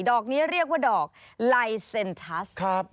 อกนี้เรียกว่าดอกลายเซ็นทัส